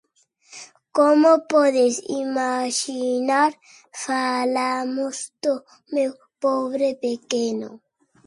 Como podes imaxinar, falamos do meu pobre pequeno.